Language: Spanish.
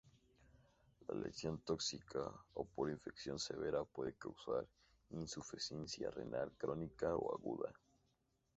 La lesión tóxica o por infección severa puede causar insuficiencia renal crónica o aguda.